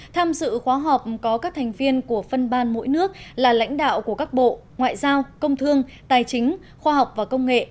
tham dự khóa họp có các thành viên của phân ban mỗi nước là lãnh đạo của các bộ ngoại giao công thương tài chính khoa học và công nghệ